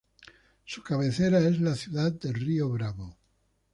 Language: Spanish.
Su cabecera es la ciudad de Río Bravo.